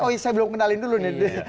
oh saya belum kenalin dulu nih